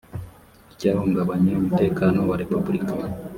icyahungabanya umutekano wa repubulika